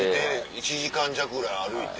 １時間弱ぐらい歩いて。